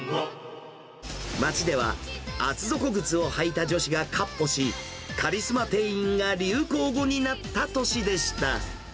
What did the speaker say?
街では、厚底靴を履いた女子がかっ歩し、カリスマ店員が流行語になった年でした。